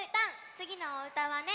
つぎのおうたはね